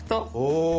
お！